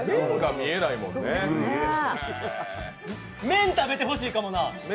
麺食べてほしいかもな！